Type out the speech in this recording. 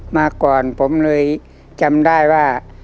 มาก่อนผมเลยจำได้ว่า